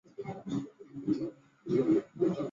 多用于单镜反光相机。